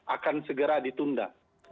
akan segera ditunda